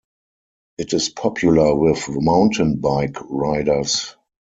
It is popular with mountain bike riders.